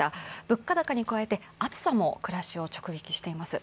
物価高に加えて暑さも暮らしを直撃しています。